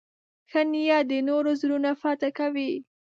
ښه نیت د نورو زړونه فتح کوي.